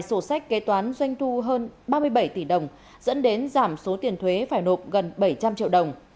sổ sách kế toán doanh thu hơn ba mươi bảy tỷ đồng dẫn đến giảm số tiền thuế phải nộp gần bảy trăm linh triệu đồng